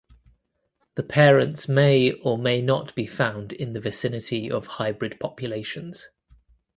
The parents may or may not be found in the vicinity of hybrid populations.